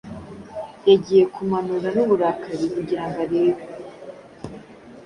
Yagiye kumanura nuburakari kugirango arebe